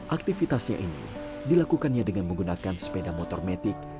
aktivitasnya ini dilakukannya dengan menggunakan sepeda motor metik